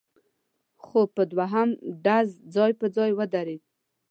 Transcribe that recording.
خو په دوهم ډز ځای پر ځای ودرېده،